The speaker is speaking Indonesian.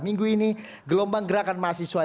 minggu ini gelombang gerakan mahasiswa